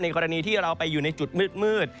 กรณีที่เราไปอยู่ในจุดมืด